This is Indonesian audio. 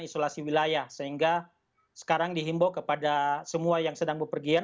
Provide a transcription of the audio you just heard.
isolasi wilayah sehingga sekarang dihimbau kepada semua yang sedang berpergian